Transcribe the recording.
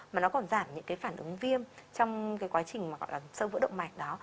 mà nó còn giảm những phản ứng viêm trong quá trình sơ vỡ động mạch đó